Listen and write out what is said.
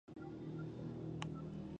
په نصیب دي د هغه جهان خواري ده